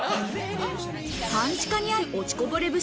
半地下にある、おちこぼれ部